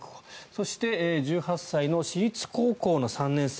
そして１８歳の私立高校の３年生